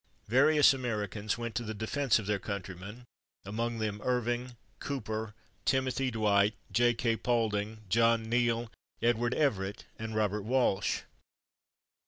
Various Americans went to the defense of their countrymen, among them, Irving, Cooper, Timothy Dwight, J. K. Paulding, John Neal, Edward Everett and Robert Walsh.